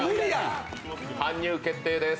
搬入決定です